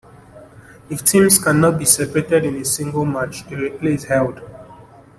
If the teams cannot be separated in a single match, a replay is held.